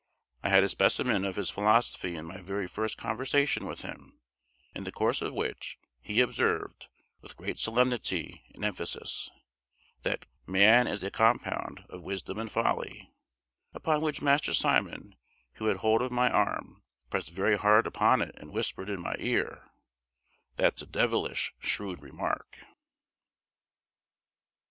I had a specimen of his philosophy in my very first conversation with him; in the course of which he observed, with great solemnity and emphasis, that "man is a compound of wisdom and folly;" upon which Master Simon, who had hold of my arm, pressed very hard upon it, and whispered in my ear, "That's a devilish shrewd remark!"